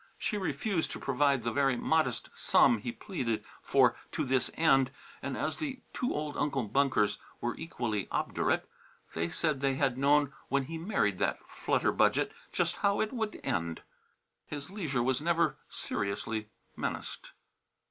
She refused to provide the very modest sum he pleaded for to this end, and as the two old Uncle Bunkers were equally obdurate they said they had known when he married that flutter budget just how he would end his leisure was never seriously menaced.